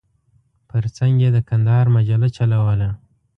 پر څنګ یې د کندهار مجله چلوله.